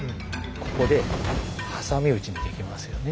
ここで挟み撃ちにできますよね。